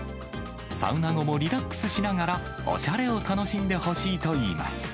サウナ後もリラックスしながら、おしゃれを楽しんでほしいといいます。